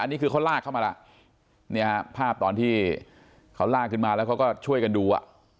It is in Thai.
นี่คือเขาลากเข้ามาแล้วเนี่ยภาพตอนที่เขาลากขึ้นมาแล้วเขาก็ช่วยกันดูอ่ะ